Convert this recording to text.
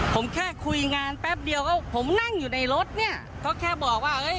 ผมแค่คุยงานแป๊บเดียวก็ผมนั่งอยู่ในรถเนี่ยก็แค่บอกว่าเอ้ย